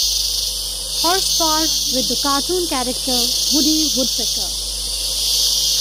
Horsepower with the cartoon character Woody Woodpecker.